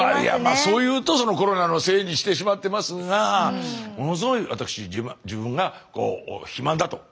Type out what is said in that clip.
そう言うとコロナのせいにしてしまってますがものすごい私えぇ！